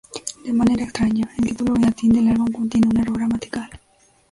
De manera extraña, el título en latín del álbum contiene un error gramatical.